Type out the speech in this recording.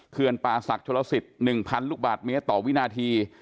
เคือนปาศักดิ์ชะละศิษย์๑๐๐๐ลูกบาทเมตรต่อวินาที